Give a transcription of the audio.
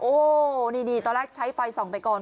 โอ้นี่ตอนแรกใช้ไฟส่องไปก่อน